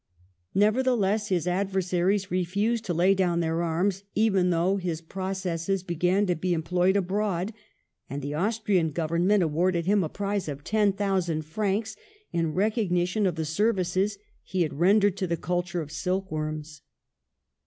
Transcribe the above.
Nevertheless, his adversaries refused to lay down their arms, even though his processes be gan to be employed abroad, and the Austrian government awarded him a prize of ten thou sand francs in recognition of the services he had rendered to the culture of silk worms.